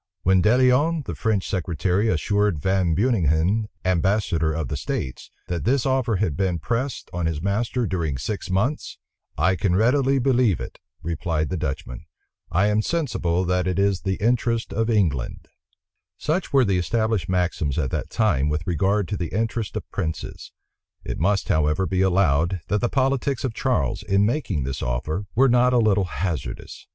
When De Lionne, the French secretary, assured Van Beuninghen, ambassador of the states, that this offer had been pressed on his master during six months, "I can readily believe it," replied the Dutchman; "I am sensible that it is the interest of England."[] * D'Estrades, December 19, 1664. D'Estrades, August 14, 1665. Such were the established maxims at that time with regard to the interests of princes. It must, however, be allowed, that the politics of Charles, in making this offer, were not a little hazardous.